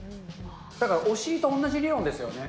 だからお尻と同じ理論ですよね。